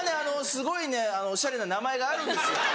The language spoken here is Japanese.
すごいねおしゃれな名前があるんですよ。